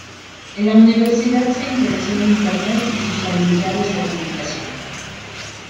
En la universidad se interesó en Internet y sus habilidades de publicación.